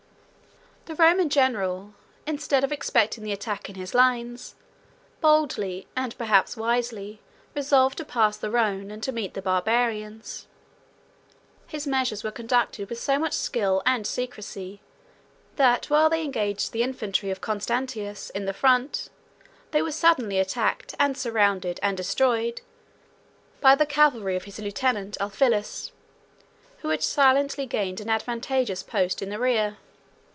The Roman general, instead of expecting the attack in his lines, boldly and perhaps wisely, resolved to pass the Rhone, and to meet the Barbarians. His measures were conducted with so much skill and secrecy, that, while they engaged the infantry of Constantius in the front, they were suddenly attacked, surrounded, and destroyed, by the cavalry of his lieutenant Ulphilas, who had silently gained an advantageous post in their rear.